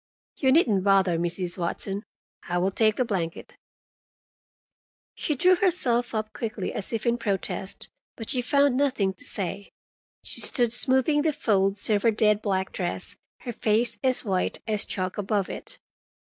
You needn't bother, Mrs. Watson. I will take the blanket." She drew herself up quickly, as if in protest, but she found nothing to say. She stood smoothing the folds of her dead black dress, her face as white as chalk above it.